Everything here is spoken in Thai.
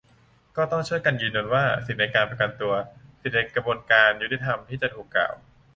ก็ต้องช่วยกันยืนยันว่า สิทธิในการประกันตัว สิทธิในกระบวนการยุติธรรมที่จะถูกกล่าว